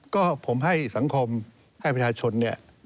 ก็ผมให้สังคมให้ประชาชนเนี่ย